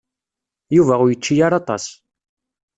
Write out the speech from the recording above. Yuba ur yečči ara aṭas.